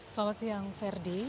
selamat siang ferdi